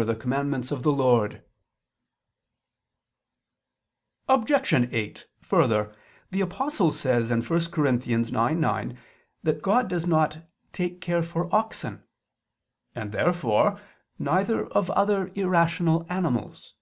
. the commandments of the Lord." Obj. 8: Further, the Apostle says (1 Cor. 9:9) that God does not "take care for oxen," and, therefore, neither of other irrational animals.